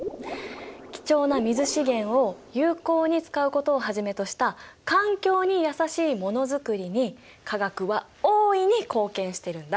貴重な水資源を有効に使うことをはじめとした環境に優しいモノづくりに化学は大いに貢献してるんだ。